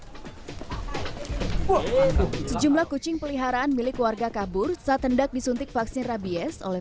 hai sejumlah kucing peliharaan milik warga kabur saat hendak disuntik vaksin rabies oleh